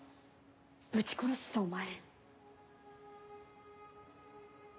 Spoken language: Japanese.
ぶち殺すぞお前。